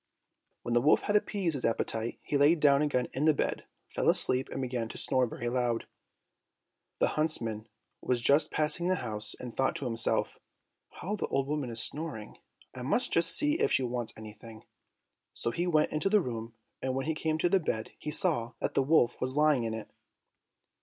When the wolf had appeased his appetite, he lay down again in the bed, fell asleep and began to snore very loud. The huntsman was just passing the house, and thought to himself, "How the old woman is snoring! I must just see if she wants anything." So he went into the room, and when he came to the bed, he saw that the wolf was lying in it.